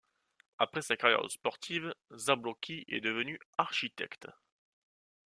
Après sa carrière sportive, Zabłocki est devenu architecte.